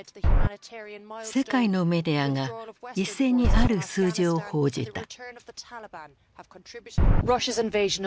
世界のメディアが一斉にある数字を報じた。